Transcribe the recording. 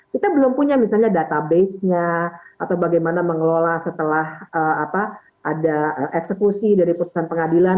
kita belum punya misalnya database nya atau bagaimana mengelola setelah ada eksekusi dari putusan pengadilan